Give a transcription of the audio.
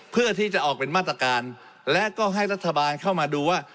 เพื่อที่จะออกเป็นมาตรการและก็ให้รัฐบาลเข้ามาดูว่า